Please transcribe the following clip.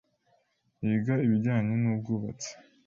yiga ibijyanye nubwubatsi.